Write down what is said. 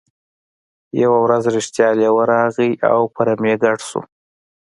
یوه ورځ رښتیا لیوه راغی او په رمې ګډ شو.